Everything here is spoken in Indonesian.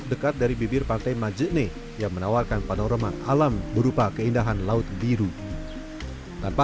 dekat dari bibir pantai majene yang menawarkan panorama alam berupa keindahan laut biru tanpa